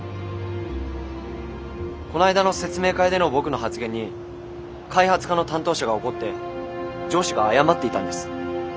この間の説明会での僕の発言に開発課の担当者が怒って上司が謝っていたんです。